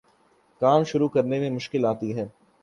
کام شروع کرے میں مشکل آتی ہے